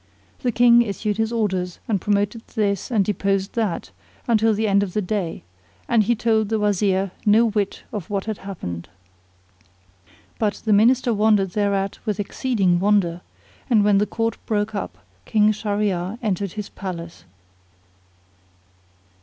The King issued his orders, and promoted this and deposed that, until the end of the day; and he told the Wazir no whit of what had happened. But the Minister wondered thereat with exceeding wonder; and when the Court broke up King Shahryar entered his palace.